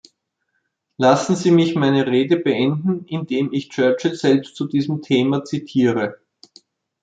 Lassen Sie mich meine Rede beenden, indem ich Churchill selbst zu diesem Thema zitiere.